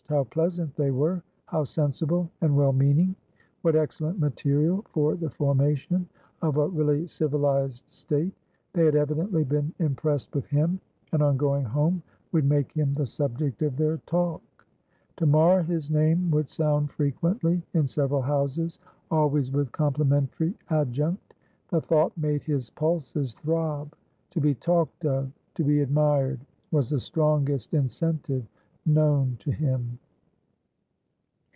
How pleasant they were! How sensible and well meaning! What excellent material for the formation of a really civilised State! They had evidently been impressed with him, and, on going home, would make him the subject of their talk. To morrow his name would sound frequently in several houses, always with complimentary adjunct. The thought made his pulses throb. To be talked of, to be admired, was the strongest incentive known to him.